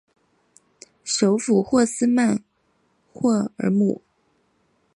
首府霍斯霍尔姆。